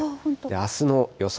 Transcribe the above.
あすの予想